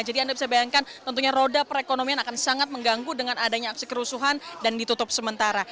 jadi anda bisa bayangkan tentunya roda perekonomian akan sangat mengganggu dengan adanya aksi kerusuhan dan ditutup sementara